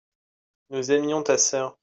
nous aimions ta sœur.